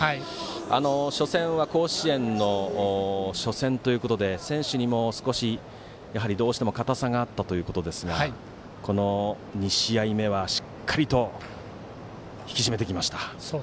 初戦は甲子園の初戦ということで選手にも少しどうしてもかたさがあったということですがこの２試合目はしっかりと引き締めてきました。